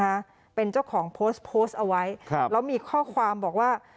นะคะเป็นเจ้าของโพสต์โพสต์เอาไว้ครับแล้วมีข้อความบอกว่า